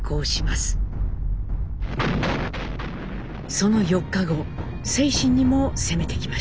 その４日後清津にも攻めてきました。